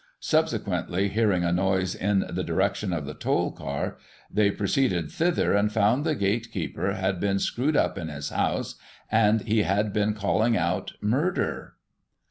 Subsequently, hearing a noise in the direction of the toll bar, they proceeded thither, and found the gate keeper had been screwed up in his house, and he had been calling out " Murder